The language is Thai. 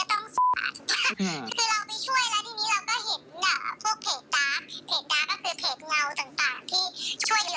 ก็เลยมาเปิดเพจใหม่ก็คือเปิดเพจแหม่มโภดำ